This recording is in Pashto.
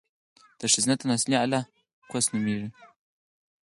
د ښځينه تناسلي اله، کوس نوميږي